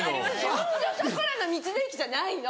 そんじょそこらの道の駅じゃないの！